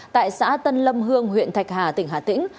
tại xã tân lâm hương huyện thạch hà tỉnh hà tĩnh